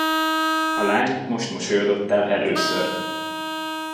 A lány most mosolyodott el először.